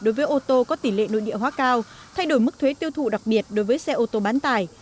đối với ô tô có tỷ lệ nội địa hóa cao thay đổi mức thuế tiêu thụ đặc biệt đối với xe ô tô bán tải